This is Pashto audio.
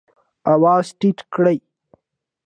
آواز ټیټ کړئ